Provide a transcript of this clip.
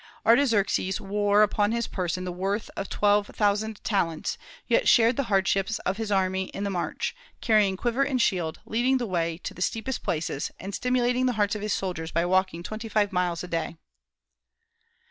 Artaxerxes wore upon his person the worth of twelve thousand talents, yet shared the hardships of his army in the march, carrying quiver and shield, leading the way to the steepest places, and stimulating the hearts of his soldiers by walking twenty five miles a day.